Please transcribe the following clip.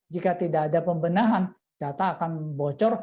jika tidak ada pembenahan data akan bocor